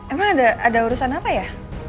emang ada urusan apa ya